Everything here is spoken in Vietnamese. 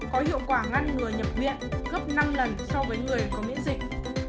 có hiệu quả ngăn ngừa nhập viện gấp năm lần so với người có miễn dịch